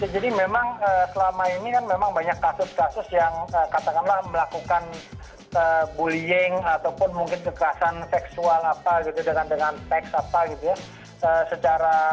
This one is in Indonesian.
jadi memang selama ini kan memang banyak kasus kasus yang katakanlah melakukan bullying ataupun mungkin kekerasan seksual dengan teks apa gitu ya